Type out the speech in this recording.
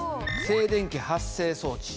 静電気発生装置。